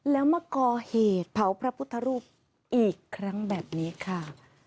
แล้วมาก่อเหตุเผาพระพุทธรูปอีกครั้งแบบนี้ค่ะ